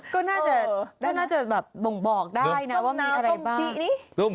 ก็น่าจะบอกได้นะว่ามีอะไรบ้าง